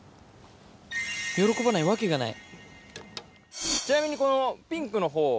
喜ばないわけがない。